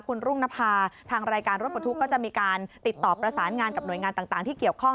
คุณรุ่งนภาทางรายการรถประทุกข์ก็จะมีการติดต่อประสานงานกับหน่วยงานต่างที่เกี่ยวข้อง